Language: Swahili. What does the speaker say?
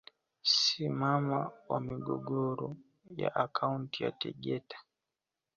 Si mama wa migogoro ya akaunti ya Tegeta